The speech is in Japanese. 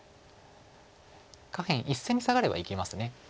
下辺１線にサガれば生きます。